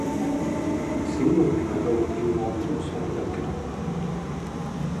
小勇明白到要愛護所有嘅動物